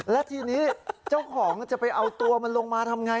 และทีนี้เจ้าของจะไปเอาตัวมันลงมาทำไง